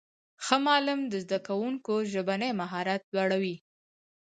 ښه معلم د زدهکوونکو ژبنی مهارت لوړوي.